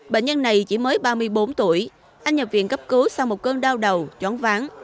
bệnh nhân này chỉ mới ba mươi bốn tuổi anh nhập viện cấp cứu sau một cơn đau đầu chóng ván